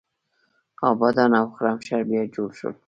ابادان او خرمشهر بیا جوړ شول.